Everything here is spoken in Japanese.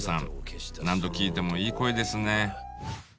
何度聞いてもいい声ですね。